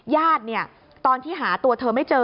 ญาติเนี่ยตอนที่หาตัวเธอไม่เจอ